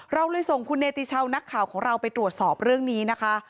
เราเลยส่งคุณเนติชาวนักข่าวของเราไปตรวจสอบเรื่องนี้นะคะ